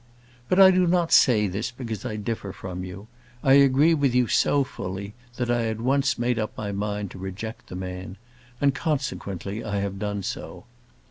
But I do not say this because I differ from you. I agree with you so fully, that I at once made up my mind to reject the man; and, consequently, I have done so.